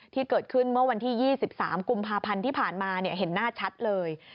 ที่เกิดขึ้นเมื่อวันที่๒๓กุมภาพันธ์ที่ผ่านมาเห็นหน้าชัดเลย